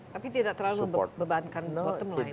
tapi tidak terlalu membebankan bottom lah ya